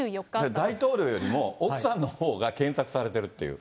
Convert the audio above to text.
大統領より奥さんのほうが検索されてるっていう。